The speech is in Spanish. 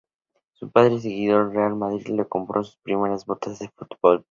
Su padre, seguidor del Real Madrid, le compró sus primeras botas de fútbol.